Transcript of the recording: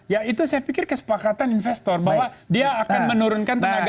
ya itu saya pikir kesepakatan investor bahwa dia akan menurunkan tenaga